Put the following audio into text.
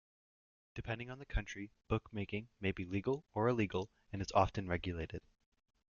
Depending on the country, bookmaking may be legal or illegal and is often regulated.